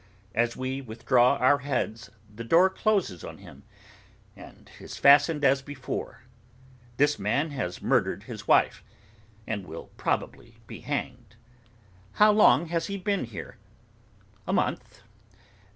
As we withdraw our heads, the door closes on him, and is fastened as before. This man has murdered his wife, and will probably be hanged. 'How long has he been here?' 'A month.